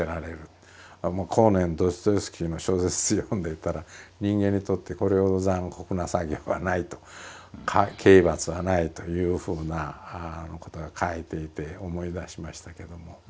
後年ドストエフスキーの小説読んでいたら人間にとってこれほど残酷な作業はないと刑罰はないというふうなことが書いていて思い出しましたけども。